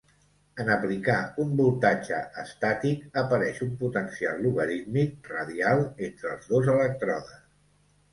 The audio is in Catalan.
En aplicar un voltatge estàtic, apareix un potencial logarítmic radial entre els dos elèctrodes.